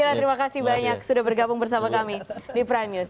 terima kasih banyak sudah bergabung bersama kami di prime news